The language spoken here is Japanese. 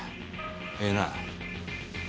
ええな？